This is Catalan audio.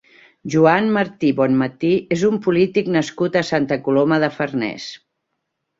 Joan Martí Bonmatí és un polític nascut a Santa Coloma de Farners.